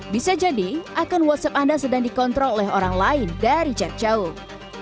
bisa jadi akun whatsapp anda sedang dikontrol oleh orang lain dari jet jauh